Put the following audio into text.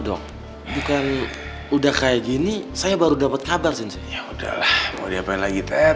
dong bukan udah kayak gini saya baru dapat kabar sensei ya udahlah mau diapain lagi ted